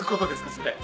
それ。